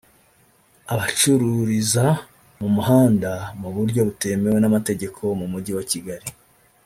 Abacururiza mu muhanda mu buryo butemewe n’amategeko mu Mujyi wa Kigali